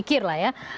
ujikir lah ya